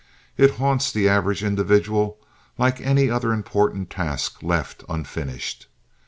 It haunts the average individual like any other important task left unfinished.